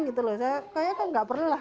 saya kayaknya kan enggak perlu lah